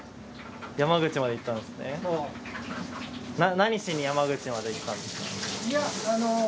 何しに山口まで行ったんですか？